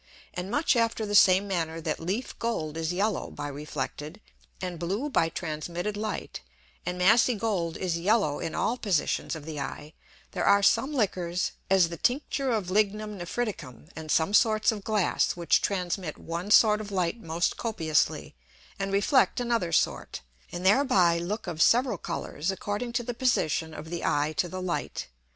And much after the same manner that Leaf Gold is yellow by reflected, and blue by transmitted Light, and massy Gold is yellow in all Positions of the Eye; there are some Liquors, as the Tincture of Lignum Nephriticum, and some sorts of Glass which transmit one sort of Light most copiously, and reflect another sort, and thereby look of several Colours, according to the Position of the Eye to the Light.